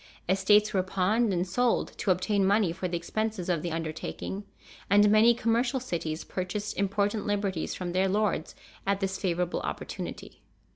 Estates were pawned and sold to obtain money for the expenses of the undertaking, and many commercial cities purchased important liberties from their lords at this favorable opportunity.